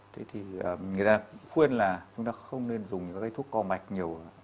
thế thì người ta khuyên là chúng ta không nên dùng những cái thuốc co mạch nhiều